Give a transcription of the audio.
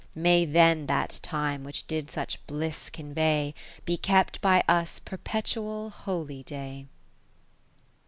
May then that time which did such bliss convey. Be kept by us perpetual Holy day.